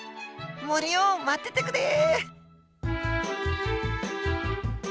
森よ待っててくれ！